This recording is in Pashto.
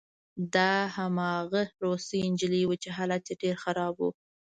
دا هماغه روسۍ نجلۍ وه چې حالت یې ډېر خراب و